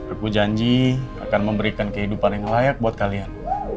aku janji akan memberikan kehidupan yang layak buat kalian